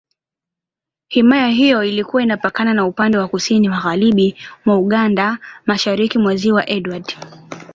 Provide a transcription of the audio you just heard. Himaya hiyo ilikuwa inapatikana upande wa Kusini Magharibi mwa Uganda, Mashariki mwa Ziwa Edward.